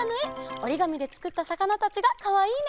おりがみでつくったさかなたちがかわいいね。